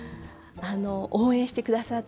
応援してくださったり。